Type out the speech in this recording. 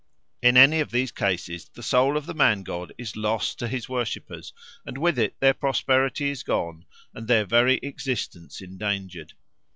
In any of these cases the soul of the man god is lost to his worshippers, and with it their prosperity is gone and their very existence endangered.